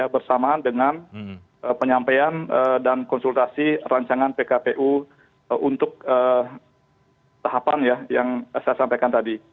bersamaan dengan penyampaian dan konsultasi rancangan pkpu untuk tahapan ya yang saya sampaikan tadi